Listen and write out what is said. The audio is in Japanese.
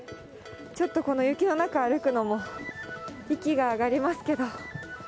ちょっとこの雪の中歩くのも、息が上がりますけど。